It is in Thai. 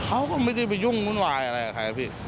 เขาก็ไม่ได้ไปยุ่งวุ่นวายอะไรกับใครครับพี่